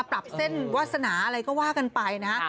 ปรับเส้นวาสนาอะไรก็ว่ากันไปนะฮะ